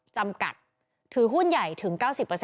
จำกัดถือหุ้นใหญ่ถึง๙๐